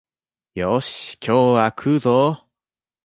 よーし、今日は食うぞお